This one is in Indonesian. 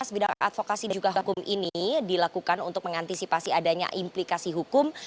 bidang advokasi juga hukum ini dilakukan untuk mengantisipasi adanya implikasi hukum